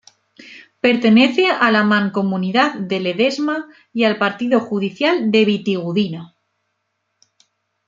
Pertenece a la Mancomunidad de Ledesma y al partido judicial de Vitigudino.